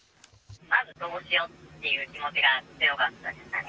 まずどうしようっていう気持ちが強かったですかね。